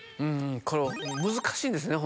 これ難しいんですね